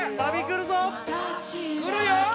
・くるよ！